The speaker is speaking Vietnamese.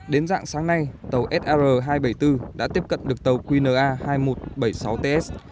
đến dạng sáng nay tàu sr hai trăm bảy mươi bốn đã tiếp cận được tàu qna hai nghìn một trăm bảy mươi sáu ts